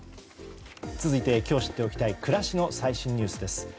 続いて今日知っておきたい暮らしの最新ニュースです。